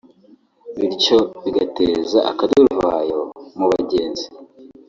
bityo bigateza akaduruvayo mu bagenzi